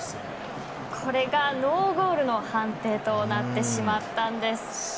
これがノーゴールの判定となってしまったんです。